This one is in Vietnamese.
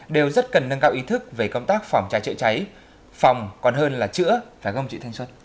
đều rất cần nâng cao ý thức về công tác phòng cháy chữa cháy phòng còn hơn là chữa và gông trị thanh xuất